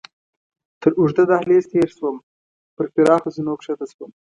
تر اوږده دهلېز تېر شوم، پر پراخو زینو کښته شوم.